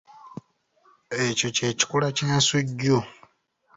Ekyo kye kikula ky’ensujju.